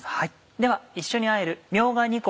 では一緒にあえる。